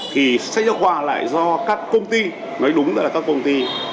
thì sách giáo khoa lại do các công ty nói đúng là các công ty